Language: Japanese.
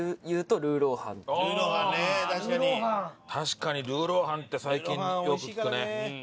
確かにルーロー飯って最近よく聞くね。